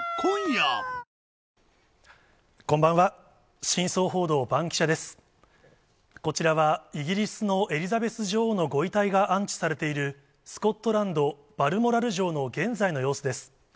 こちらはイギリスのエリザベス女王のご遺体が安置されている、スコットランド・バルモラル城の現在の様子です。